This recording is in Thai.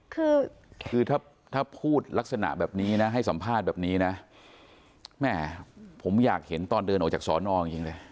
คือคือถ้าพูดลักษณะแบบนี้นะให้สัมภาษณ์แบบนี้นะแม่ผมอยากเห็นตอนเดินออกจากสอนอจริงเลย